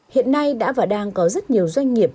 hiện nay đã và đang có rất nhiều doanh nghiệp